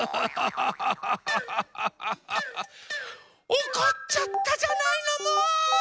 おこっちゃったじゃないのもう！